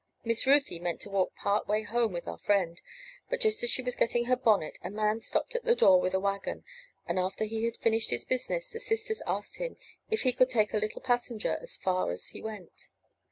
Miss Ruthy meant to walk part way home with our friend, but just as she was getting her bonnet a man stopped at the door with a wagon, and after he had finished his business the sisters asked him if he could take a little passenger as far as he went?